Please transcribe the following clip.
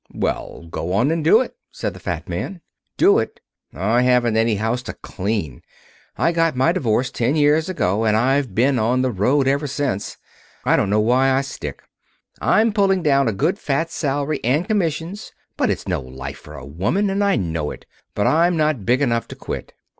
"Well, go on and do it," said the fat man. "Do it? I haven't any house to clean. I got my divorce ten years ago, and I've been on the road ever since. I don't know why I stick. I'm pulling down a good, fat salary and commissions, but it's no life for a woman, and I know it, but I'm not big enough to quit.